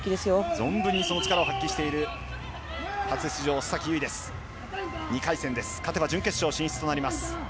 存分にその力を発揮している初出場、須崎優衣２回戦勝てば準決勝進出となります。